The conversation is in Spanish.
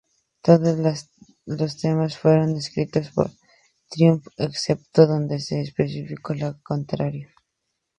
Todas las temas fueron escritos por Triumph, excepto donde se especifique lo contrario.